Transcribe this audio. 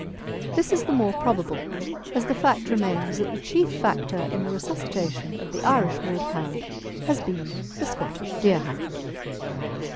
This is the more probable, as the fact remains that the chief factor in the resuscitation of the Irish Wolfhound has been the Scottish Deerhound.